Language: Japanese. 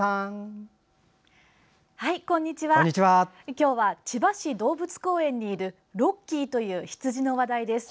今日は、千葉市動物公園にいるロッキーという羊の話題です。